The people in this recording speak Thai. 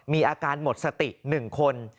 มีอาการหมดสติ๑คน